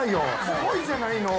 すごいじゃないの。